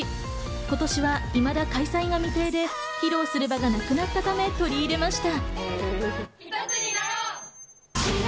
今年はいまだ開催が未定で、披露する場がなくなったため取り入れました。